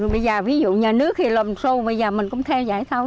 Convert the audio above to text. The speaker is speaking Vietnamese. bây giờ ví dụ nhà nước thì làm xô bây giờ mình cũng theo dạy thôi